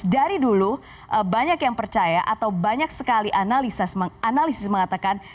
dari dulu banyak yang percaya atau banyak sekali analisis mengatakan